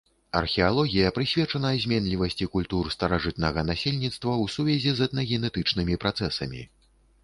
Археалогія прысвечана зменлівасці культур старажытнага насельніцтва ў сувязі з этнагенетычнымі працэсамі.